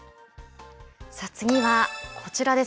次はこちらです。